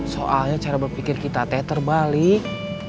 soalnya cara berpikir kita teh terbalik